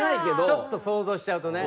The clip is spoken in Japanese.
ちょっと想像しちゃうとね。